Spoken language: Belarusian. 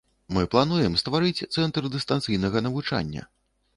Мы плануем стварыць цэнтр дыстанцыйнага навучання.